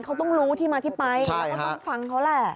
เขาต้องรู้ที่มาที่ไปเราก็ต้องฟังเขาแหละ